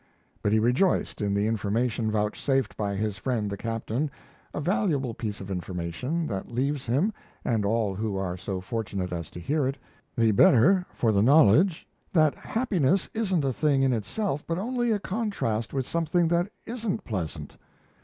But he rejoiced in the information vouchsafed by his friend the Captain a valuable piece of information that leaves him, and all who are so fortunate as to hear it, the better for the knowledge that happiness isn't a thing in itself, but only a contrast with something that isn't pleasant!